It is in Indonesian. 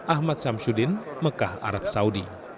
ahmad samsuddin mekah arab saudi